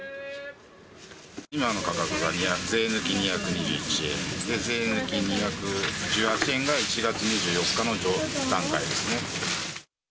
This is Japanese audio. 今の価格が税抜き２２１円で、税抜き２１８円が１月２４日の段階ですね。